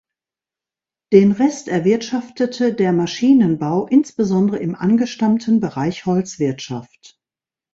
Den Rest erwirtschaftete der Maschinenbau, insbesondere im angestammten Bereich Holzwirtschaft.